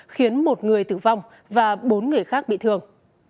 khiến một người tử vong và bốn người khác bị thương